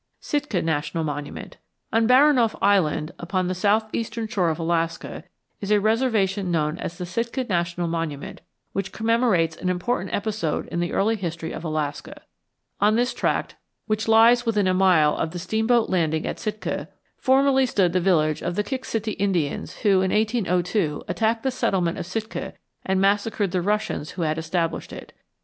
SITKA NATIONAL MONUMENT On Baranoff Island, upon the southeastern shore of Alaska, is a reservation known as the Sitka National Monument which commemorates an important episode in the early history of Alaska. On this tract, which lies within a mile of the steamboat landing at Sitka, formerly stood the village of the Kik Siti Indians who, in 1802, attacked the settlement of Sitka and massacred the Russians who had established it.